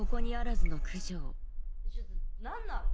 ちょっと何なの？